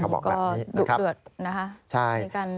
เขาบอกแบบนี้นะครับใช่